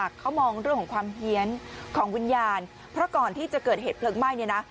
เขามองเรื่องของความเฮียนของวิญญาณเพราะก่อนที่จะเกิดเหตุเพลิงไหม้เนี่ยนะ